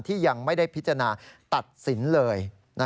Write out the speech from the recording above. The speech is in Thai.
ยังไม่ได้พิจารณาตัดสินเลย